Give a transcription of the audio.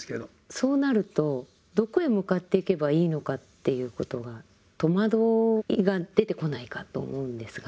そうなるとどこへ向かっていけばいいのかっていうことが戸惑いが出てこないかと思うんですが。